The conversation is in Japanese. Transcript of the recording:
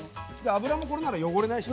油もこれなら汚れないしね。